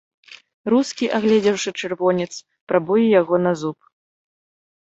Рускі, агледзеўшы чырвонец, прабуе яго на зуб.